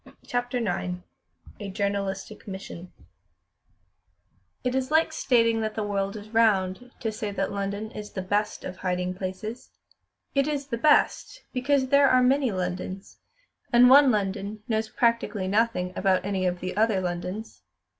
CHAPTER IX A Journalistic Mission It is like stating that the world is round to say that London is the best of hiding places. It is the best, because there are many Londons, and one London knows practically nothing about any of the other Londons.